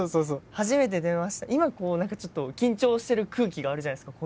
初めて電話した今こう何かちょっと緊張してる空気があるじゃないですか